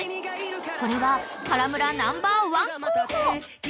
［これは原村ナンバーワン候補］